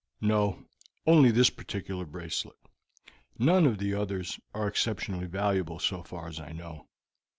"No, only this particular bracelet. None of the others are exceptionally valuable, so far as I know.